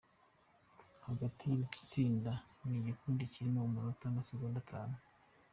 Hagati y’iri tsinda n’igikundi, harimo umunota n’amasegonda atanu.